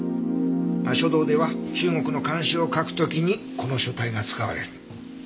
書道では中国の漢詩を書く時にこの書体が使われる。